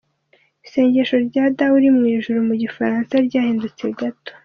Isengesho rya “Dawe uri mu Ijuru” mu Gifaransa ryahindutseho gato.